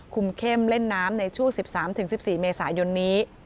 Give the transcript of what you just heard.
เข้มเล่นน้ำในช่วง๑๓๑๔เมษายนนี้